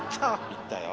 行ったよ。